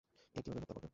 এ কিভাবে হত্যা করবে?